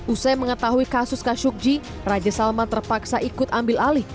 usai mengetahui kasus khashoggi raja salman terpaksa ikut ambil alih